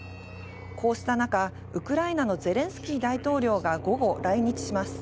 こうした中、ウクライナのゼレンスキー大統領が午後、来日します。